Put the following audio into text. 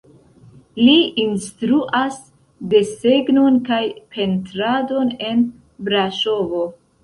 Li instruas desegnon kaj pentradon en Braŝovo.